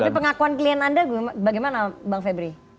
tapi pengakuan klien anda bagaimana bang febri